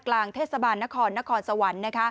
กลางเทศบาลนครนครสวรรค์